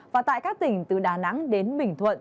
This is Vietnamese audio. và tại các tỉnh từ đà nẵng đến bình thuận